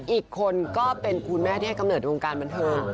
อีกคนก็เป็นคุณแม่ที่ให้กำเนิดวงการบันเทิง